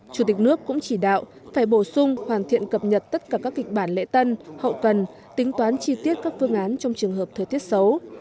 chủ tịch nước cũng chỉ đạo phải bổ sung hoàn thiện cập nhật tất cả các kịch bản lễ tân hậu cần tính toán chi tiết các phương án trong trường hợp thời tiết xấu